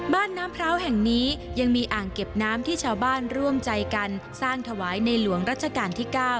น้ำพร้าวแห่งนี้ยังมีอ่างเก็บน้ำที่ชาวบ้านร่วมใจกันสร้างถวายในหลวงรัชกาลที่๙